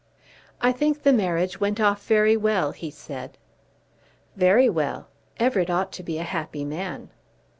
"I think the marriage went off very well," he said. "Very well. Everett ought to be a happy man."